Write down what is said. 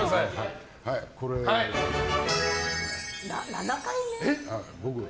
７回目？